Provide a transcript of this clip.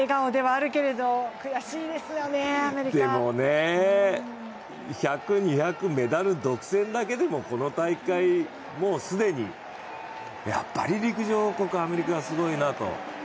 でもね、１００、２００メダル独占だけでも、この大会、もう既に、やっぱり陸上王国アメリカはすごいなと。